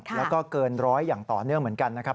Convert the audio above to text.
แล้วก็เกินร้อยอย่างต่อเนื่องเหมือนกันนะครับ